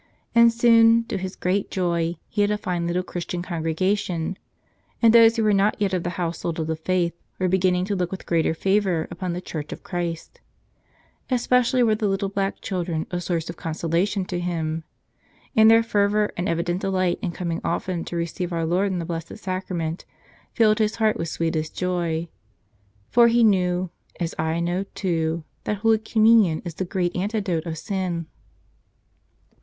And soon, to his great joy, he had a fine little Christian congregation; and those who were not yet of the household of the faith were beginning to look with greater favor upon the Church of Christ. Especially were the little black children a source of consolation to him. And their fervor and evident de¬ light in coming often to receive our Lord in the Blessed Sacrament filled his heart with sweetest joy. For he knew, as I know, too, that Holy Communion is the great antidote of sin.